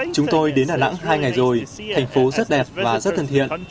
chúng tôi đến đà nẵng hai ngày rồi thành phố rất đẹp và rất thân thiện